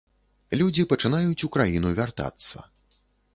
Людзі пачынаюць у краіну вяртацца.